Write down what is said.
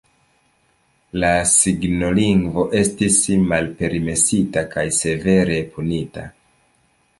La signolingvo estis malpermesita, kaj severe punita.